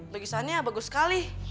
begitahannya bagus sekali